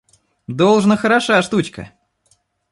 Должно, хороша штучка!